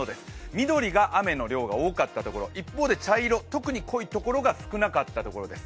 緑が雨の量が多かったところ、一方で茶色、特に濃いところが少なかったところです。